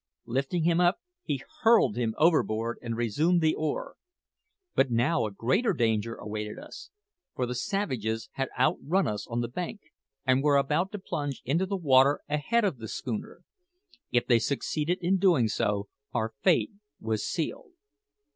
Lifting him up, he hurled him overboard, and resumed the oar. But now a greater danger awaited us; for the savages had outrun us on the bank, and were about to plunge into the water ahead of the schooner. If they succeeded in doing so, our fate was sealed.